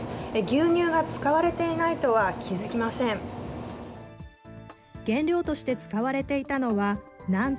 牛乳が使われていないとは気付きません。